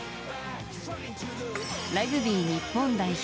ラグビー日本代表